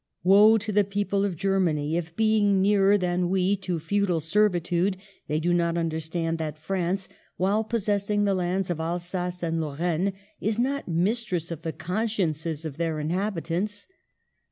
Woe to the people of Germany if, being nearer than we to feudal servitude, they do not understand that France, while possessing the lands of Alsace and Lorraine, is not mistress of the con sciences of their inhabitants.